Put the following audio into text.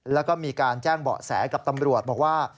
แล้วก็มีการแจ้งเบาะแสกับตำรวจบอกว่า